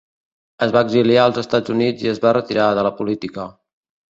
Es va exiliar als Estats Units i es va retirar de la política.